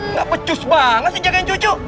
nggak pecus banget nih jagain cucu